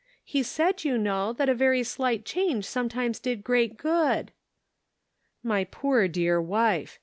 He said, you know, that a very slight change sometimes did great good !"" My poor dear wife.